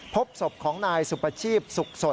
พบศพของนายสุประชีพสุขสด